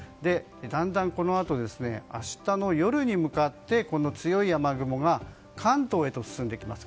だんだん、このあと明日の夜に向かって強い雨雲が関東へと進んできます。